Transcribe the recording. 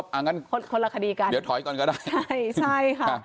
อย่างนั้นคนคนละคดีกันเดี๋ยวถอยก่อนก็ได้ใช่ใช่ค่ะ